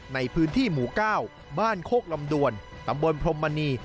ในพื้นที่หมู่๙บ้านโคกลำดวนตำบลพรมมณี